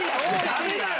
ダメだよ！